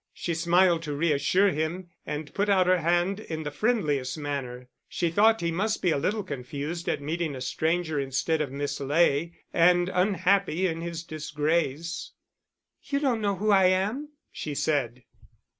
She smiled to reassure him and put out her hand in the friendliest manner; she thought he must be a little confused at meeting a stranger instead of Miss Ley, and unhappy in his disgrace. "You don't know who I am?" she said.